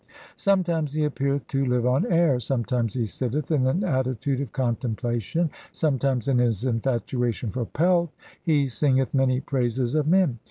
Sometimes he appeareth to live on air, sometimes he sitteth in an attitude of contemplation, sometimes in his infatuation for pelf he singeth many praises of men.